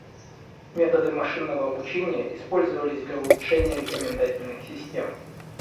Методы машинного обучения использовались для улучшения рекомендательных систем.